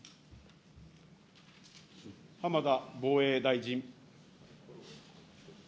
浜田防衛大臣。